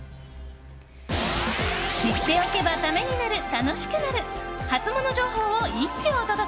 知っておけばためになる、楽しくなるハツモノ情報を一挙お届け。